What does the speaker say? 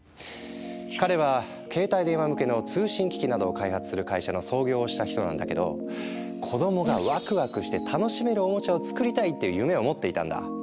彼は携帯電話向けの通信機器などを開発する会社の創業をした人なんだけど子供がワクワクして楽しめるおもちゃを作りたいっていう夢を持っていたんだ。